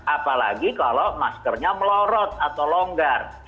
apalagi kalau maskernya melorot atau longgar